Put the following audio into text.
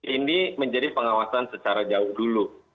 ini menjadi pengawasan secara jauh dulu